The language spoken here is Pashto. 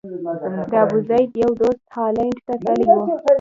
د ابوزید یو دوست هالند ته تللی و.